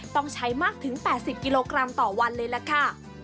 ต้องใช้มากถึง๘๐กิโลกรัมต่อวันเลยล่ะค่ะ